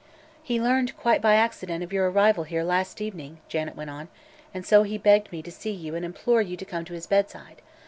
"He learned, quite by accident, of your arrival here last evening," Janet went on, "and so he begged me to see you and implore you to come to his bedside.